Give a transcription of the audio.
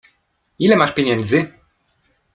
Ile masz pieniędzy?